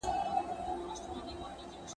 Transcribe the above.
• يوه ورځ ديد، بله ورځ شناخت.